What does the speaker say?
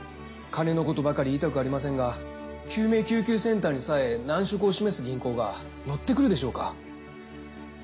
金のことばかり言いたくありませんが救命救急センターにさえ難色を示す銀行が乗ってくるでしょうか？